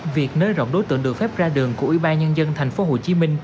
việc nới rộng đối tượng được phép ra đường của ủy ban nhân dân tp hcm